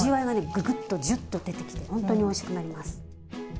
ぐぐっとジュッと出てきて本当においしくなります。